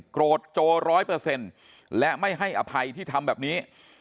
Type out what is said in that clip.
โกรธโจร้อยเปอร์เซ็นต์และไม่ให้อภัยที่ทำแบบนี้